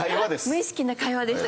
無意識の会話でした。